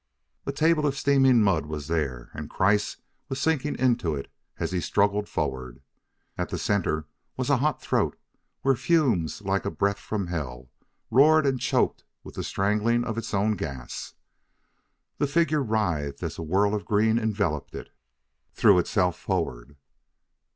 A table of steaming mud was there, and Kreiss was sinking into it as he struggled forward. At the center was a hot throat where fumes like a breath from hell roared and choked with the strangling of its own gas. The figure writhed as a whirl of green enveloped it, threw itself forward.